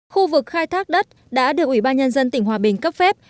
khu vực khai thác đất đã được ủy ban nhân dân tỉnh hòa bình cấp phép